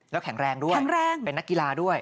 แล้วแข็งแรงด้วยเป็นนักกีฬาด้วย